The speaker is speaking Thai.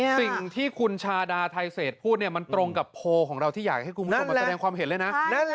สิ่งที่คุณชาดาไทเศษพูดเนี่ยมันตรงกับโพลของเราที่อยากให้คุณผู้ชมมาแสดงความเห็นเลยนะ